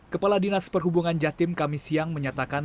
kepala dinas perhubungan jatim kami siang menyatakan